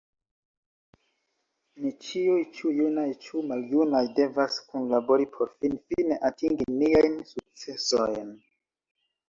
Ni ĉiuj, ĉu junaj ĉu maljunaj, devas kunlabori por finfine atingi niajn sukcesojn.